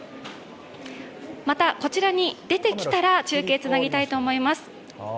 また、こちらに出てきたら中継つなぎたいと思います。